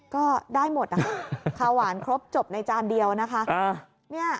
ก็ได้หมดนะคะข้าวหวานครบจบในจานเดียวนะคะ